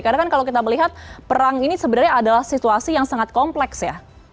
karena kan kalau kita melihat perang ini sebenarnya adalah situasi yang sangat kompleks ya